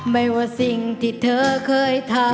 ไม่ว่าสิ่งที่เธอเคยทำ